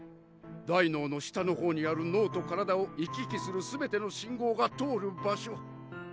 大脳の下の方にある脳と体を行き来するすべての信号が通る場所。